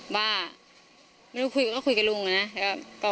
ว่าไม่รู้คุยก็คุยกับลุงนะ